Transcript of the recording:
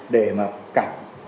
để mà cả